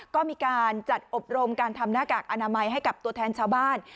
ก็มีการจัดอบรมการทำหน้ากากอนามัยให้กับตัวแทนชาวบ้าน